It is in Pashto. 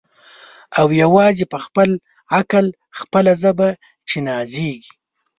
او یوازي په خپل عقل خپله ژبه چي نازیږي